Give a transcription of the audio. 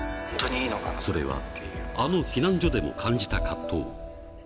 それは、あの避難所でも感じた葛藤。